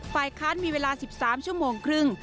ฝ่ายค้านมีเวลา๑๓ชั่วโมงครึ่ง